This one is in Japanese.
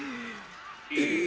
えっ？